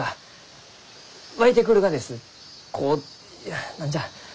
こう何じゃ？